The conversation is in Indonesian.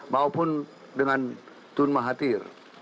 maupun dengan tun mahathir